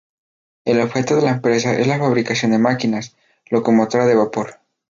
El objeto de la empresa es la fabricación de máquinas: Locomotora de vapor.